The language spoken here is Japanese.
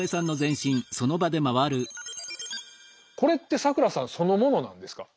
これって咲楽さんそのものなんですか？